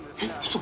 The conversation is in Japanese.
嘘！？